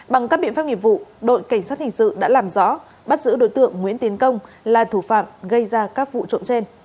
bằng các biện pháp nghiệp vụ đội cảnh sát hình sự đã làm rõ bắt giữ đối tượng nguyễn tiến công là thủ phạm gây ra các vụ trộm trên